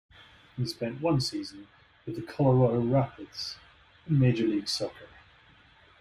He spent one season with the Colorado Rapids in Major League Soccer.